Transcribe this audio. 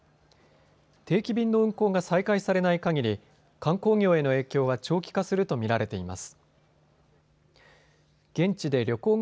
定期便の運航が再開されないかぎり、観光業への影響は長期化すると見られています。